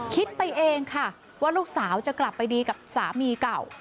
คิดไปเองค่ะว่าลูกสาวจะกลับไปดีกับสามีเก่า